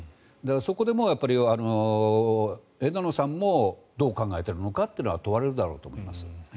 そこでも枝野さんもどう考えているのかというのは問われるだろうと思います。